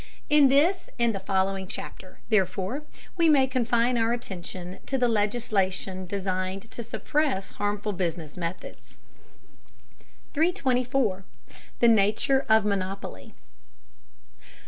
In this and the following chapter, therefore, we may confine our attention to legislation designed to suppress harmful business methods. 324. THE NATURE OF MONOPOLY.